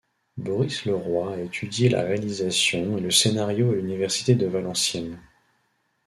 Boris Le Roy a étudié la réalisation et le scénario à l'université de Valenciennes.